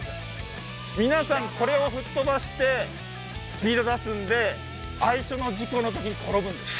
皆さんこれをふっとばしてスピード出すんで最初の事故の時に転ぶんです